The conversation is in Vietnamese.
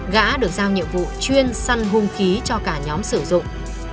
giao nhiệm vụ chuyên săn hung khí cho cả nhóm sử dụng